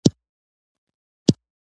سیاسي چلند ونه شي.